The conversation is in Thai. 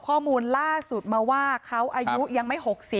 ข้อมูลล่าสุดมาว่าเขาอายุยังไม่๖๐